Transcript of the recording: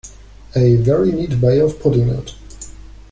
A very neat way of putting it.